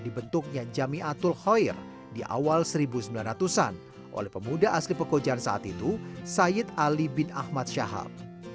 dibentuknya ⁇ jamiatul khoir di awal seribu sembilan ratus an oleh pemuda asli pekojan saat itu sayyid ali bin ahmad syahab